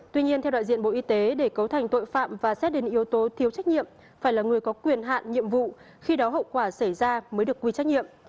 tuy nhiên theo đại diện bộ y tế để cấu thành tội phạm và xét đến yếu tố thiếu trách nhiệm phải là người có quyền hạn nhiệm vụ khi đó hậu quả xảy ra mới được quy trách nhiệm